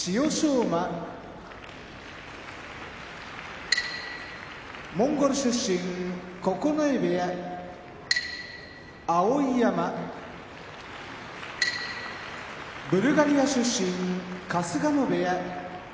馬モンゴル出身九重部屋碧山ブルガリア出身春日野部屋